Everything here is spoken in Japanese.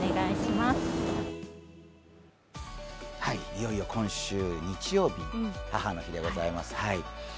いよいよ今週日曜日、母の日でございます。